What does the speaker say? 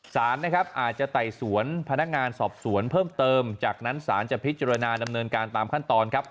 สารนะครับอาจจะไต่สวนพนักงานสอบสวนเพิ่มเติมจากนั้นศาลจะพิจารณาดำเนินการตามขั้นตอนครับ